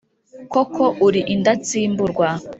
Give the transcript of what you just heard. Kuko uri indatsimburwa